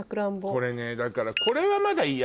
これねだからこれは。